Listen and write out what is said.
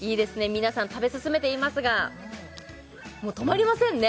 皆さん食べ進めていますがもう止まりませんね